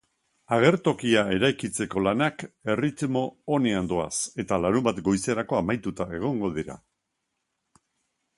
Agertokia eraikitzeko lanak erritmo onean doaz, eta larunbat goizerako amaituta egongo dira.